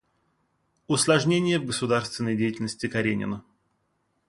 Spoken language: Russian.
Усложнение в государственной деятельности Каренина.